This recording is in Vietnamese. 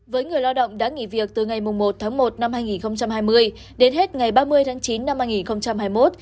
với người lao động đã nghỉ việc từ ngày một tháng một năm hai nghìn hai mươi đến hết ngày ba mươi tháng chín năm hai nghìn hai mươi một